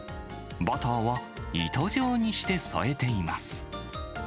バターは糸状にして添えています。